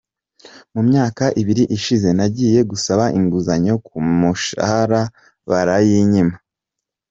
Mu myaka ibiri ishize nagiye gusaba inguzanyo ku mushahara barayinyima.